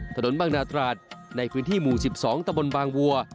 ถนนบางนาตราดในพื้นที่หมู่๑๒ตะบนบางวัว